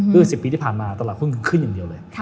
คือ๑๐ปีที่ผ่านมาตลาดหุ้นขึ้นอย่างเดียวเลย